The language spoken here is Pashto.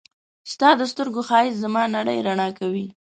ستا د سترګو ښایست زما نړۍ رڼا کوي.